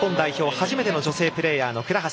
初めての女性プレーヤーの倉橋。